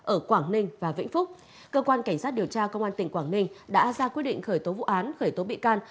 ở quảng ninh và vĩnh phúc cơ quan cảnh sát điều tra công an tỉnh quảng ninh đã ra quyết định khởi tố vụ án khởi tố bị can